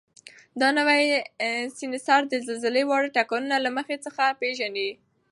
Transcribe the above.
دا نوی سینسر د زلزلې واړه ټکانونه له مخکې څخه پېژني.